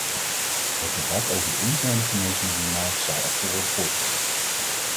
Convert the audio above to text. Het debat over de interne geneesmiddelenmarkt zal echter worden voortgezet.